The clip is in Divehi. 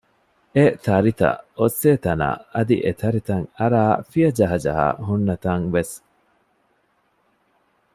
އެތަރިތައް އޮއްސޭތަނާއި އަދި އެތަރިތައް އަރައި ފިޔަޖަހަޖަހާ ހުންނަތަން ވެސް